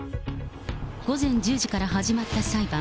午前１０時から始まった裁判。